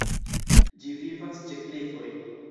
Ĝi vivas ĉe klifoj.